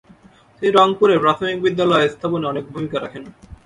তিনি রংপুরে প্রাথমিক বিদ্যালয় স্থাপনে অনেক ভূমিকা রাখেন।